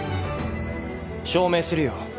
証明するよ